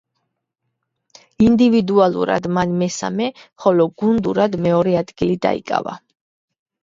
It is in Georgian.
ინდივიდუალურად მან მესამე, ხოლო გუნდურად მეორე ადგილი დაიკავა.